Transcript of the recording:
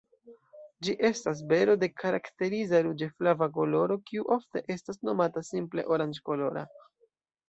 Ĝi estas bero de karakteriza ruĝe-flava koloro, kiu ofte estas nomata simple oranĝkolora.